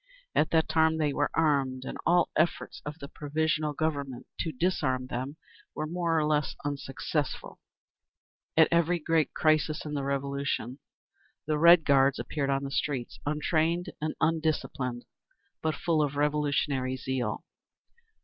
At that time they were armed, and all efforts of the Provisional Government to disarm them were more or less unsuccessful. At every great crisis in the Revolution the Red Guards appeared on the streets, untrained and undisciplined, but full of Revolutionary zeal.